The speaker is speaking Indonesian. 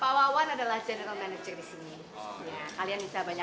pak wawan adalah general manager di sini